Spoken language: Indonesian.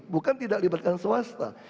bukan tidak melibatkan swasta